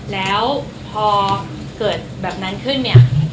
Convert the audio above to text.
แล้วพอเกิดแบบนั้นขึ้นเนี่ย